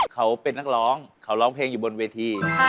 เขาเป็นนักร้องเขาร้องเพลงอยู่บนเวที